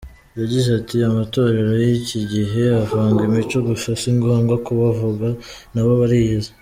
Yagize ati “Amatorero y’iki gihe avanga imico gusa si ngombwa kubavuga nabo bariyizi .